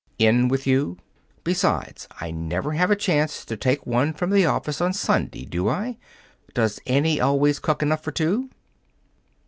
"In with you! Besides, I never have a chance to take one from the office on Sunday, do I? Does Annie always cook enough for two?"